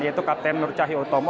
yaitu kapten nur cahy otomo